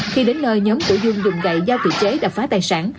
khi đến nơi nhóm của dương dùng gậy dao tự chế đập phá tài sản